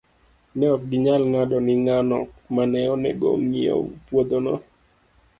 Ne ok ginyal ng'ado ni ng'ano ma ne onego ong'iew puodhono.